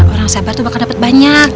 orang sabar tuh bakal dapet banyak